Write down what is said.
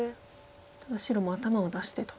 ただ白も頭を出してと。